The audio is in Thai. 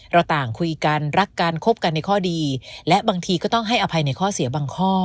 ต่างคุยกันรักกันคบกันในข้อดีและบางทีก็ต้องให้อภัยในข้อเสียบางข้อ